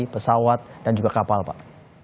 pesawat dan juga kapal pak